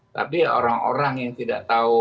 tapi orang orang yang tidak tahu